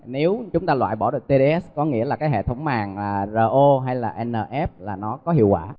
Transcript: nếu chúng ta loại bỏ được tds có nghĩa là cái hệ thống màng ro hay là nf là nó có hiệu quả